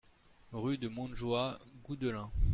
Rue de Montjoie, Goudelin